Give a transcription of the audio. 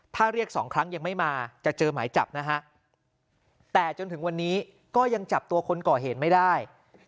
ถ้าเรียกสองครั้งยังไม่มาจะเจอหมายจับนะฮะแต่จนถึงวันนี้ก็ยังจับตัวคนก่อเหตุไม่ได้